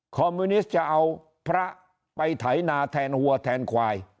มิวนิสต์จะเอาพระไปไถนาแทนหัวแทนควาย